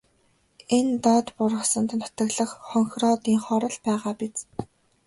Энэ доод бургасанд нутаглах хонхироодынхоор л байгаа биз.